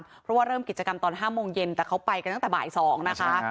เพราะว่าเริ่มกิจกรรมตอน๕โมงเย็นแต่เขาไปกันตั้งแต่บ่าย๒นะคะ